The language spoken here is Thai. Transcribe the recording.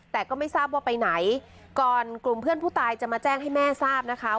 แต่ก็ไม่ทราบว่าไปไหนก่อนกลุ่มเพื่อนผู้ตายจะมาแจ้งให้แม่ทราบนะคะ